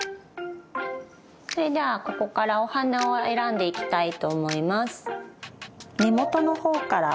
それではここからお花を選んでいきたいと思います。